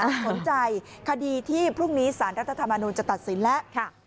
มั่นใจที่พรุ่งนี้สารรัฐธรรมานูลจะตัดสินและ